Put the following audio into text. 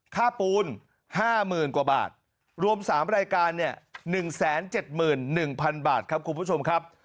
ปูน๕๐๐๐กว่าบาทรวม๓รายการเนี่ย๑๗๑๐๐๐บาทครับคุณผู้ชมครับ